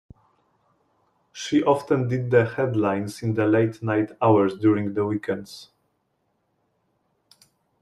She often did the headlines in the late night hours during the weekends.